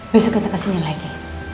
besok kita kesini lagi